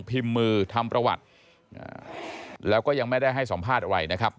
พิมพ์มือทำประวัติแล้วก็ยังไม่ได้ให้สัมภาษณ์อะไรนะครับ